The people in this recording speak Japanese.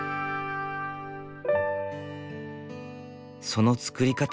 その作り方。